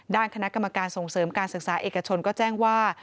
ด้านคณะกรรมการส่งเสริมการศึกษาเอกชนก็แจ้งว่า